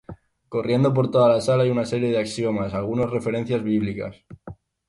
Corriendo por toda la sala hay una serie de axiomas, algunos referencias bíblicas.